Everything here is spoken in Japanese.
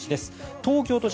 東京都心